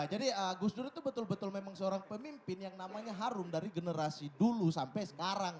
jadi gus dur itu betul betul memang seorang pemimpin yang namanya harum dari generasi dulu sampai sekarang